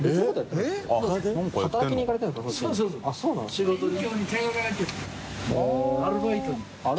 仕事にね。